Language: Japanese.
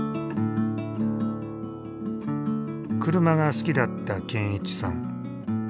車が好きだった健一さん。